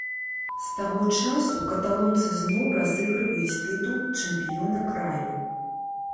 З таго часу каталонцы зноў разыгрываюць тытул чэмпіёна краю.